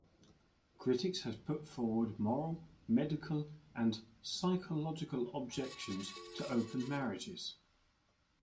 Critics have put forward moral, medical, and psychological objections to open marriages.